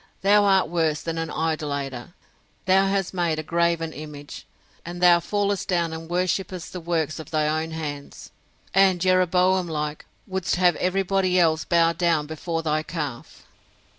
Thou art worse than an idolater; thou hast made a graven image, and thou fallest down and worshippest the works of thy own hands; and, Jeroboam like, wouldst have every body else bow down before thy calf!